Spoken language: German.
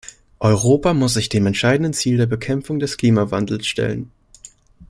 Europa muss sich dem entscheidenden Ziel der Bekämpfung des Klimawandels stellen.